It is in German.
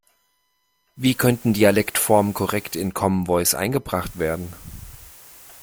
Wie könnten Dialektformen korrekt in Common Voice eingebracht werden?